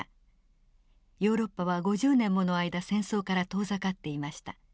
ヨーロッパは５０年もの間戦争から遠ざかっていました。